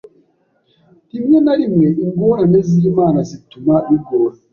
Rimwe na rimwe ingorane z'Imana zituma bigora